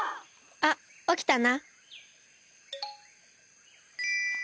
あっおきたな。